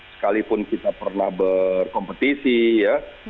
sekalipun kita pernah berkompetisi ya